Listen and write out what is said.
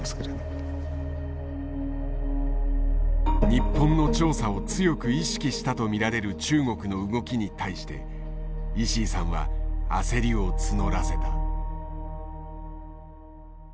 日本の調査を強く意識したと見られる中国の動きに対して石井さんは焦りを募らせた。